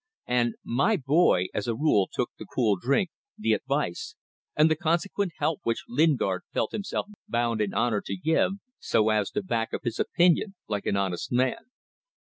And "my boy" as a rule took the cool drink, the advice, and the consequent help which Lingard felt himself bound in honour to give, so as to back up his opinion like an honest man.